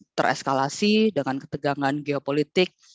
kita juga tereskalasi dengan ketegangan geopolitik